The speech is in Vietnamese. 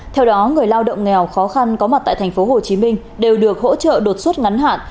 theo đó người lao động nghèo khó khăn có mặt tại thành phố hồ chí minh đều được hỗ trợ đột xuất ngắn hạn